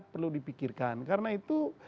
perlu dipikirkan karena itu